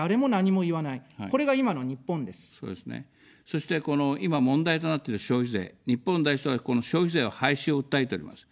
そして、この今、問題となってる消費税、日本第一党は、この消費税の廃止を訴えております。